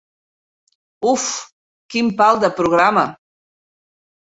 Uff, quin pal de programa.